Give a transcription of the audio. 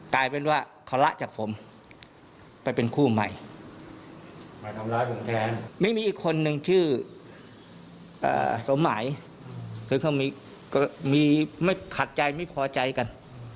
ขาดใจไม่พอใจกัน